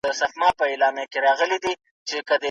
لوی ستوري د خپل مرکزي هستي د سره پاشل له کبله انفجار کوي.